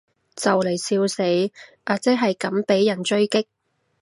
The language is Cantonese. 就嚟笑死，阿即係咁被人狙擊